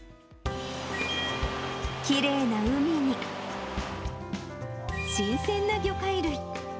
きれいな海に、新鮮な魚介類。